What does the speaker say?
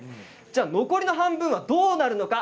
じゃあ残りの半分はどうなるのか。